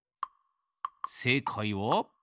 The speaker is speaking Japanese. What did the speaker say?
せいかいは。